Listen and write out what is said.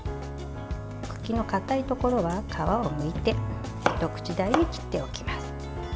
茎の硬いところは、皮をむいて一口大に切っておきます。